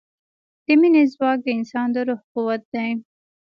د مینې ځواک د انسان د روح قوت دی.